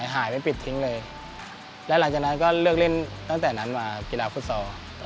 หายไปปิดทิ้งเลยแล้วหลังจากนั้นก็เลือกเล่นตั้งแต่นั้นมากีฬาฟุตซอล